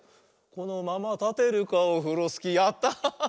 「このままたてるかオフロスキー」やった！